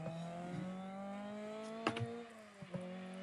The Black Mask is even compared to Kato in a news reporter scene.